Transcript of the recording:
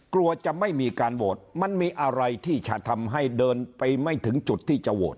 กลัวจะไม่มีการโหวตมันมีอะไรที่จะทำให้เดินไปไม่ถึงจุดที่จะโหวต